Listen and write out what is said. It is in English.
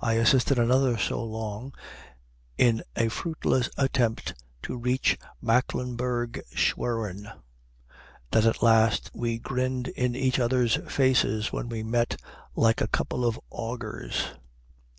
I assisted another so long in a fruitless attempt to reach Mecklenburg Schwerin, that at last we grinned in each other's faces when we met, like a couple of augurs.